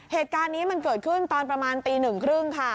เหตุการณ์นี้มันเกิดขึ้นตอนประมาณตี๑๓๐ค่ะ